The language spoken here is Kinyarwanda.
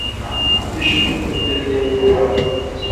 Ibyishimo kuri njye ni wowe bihanze amaso.